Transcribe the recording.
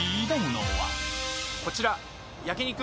こちら。